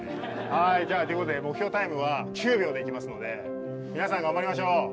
はいじゃあということで目標タイムは９秒でいきますので皆さん頑張りましょう。